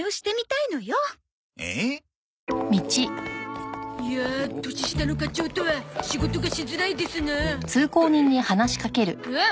いや年下の課長とは仕事がしづらいですなあ。